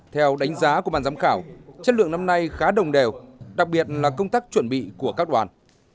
theo đánh giá của bàn giám khảo chất lượng năm nay khá đồng đều đặc biệt là công tác chuẩn bị của các đoàn